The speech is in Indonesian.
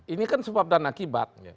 ini kan sebab dan akibat